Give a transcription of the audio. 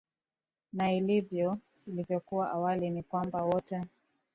na ilivyo ilivyokuwa awali ni kwamba wote